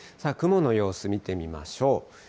雲の様子見てみましょう。